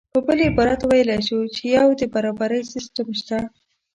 په بل عبارت ویلی شو چې یو د برابرۍ سیستم شته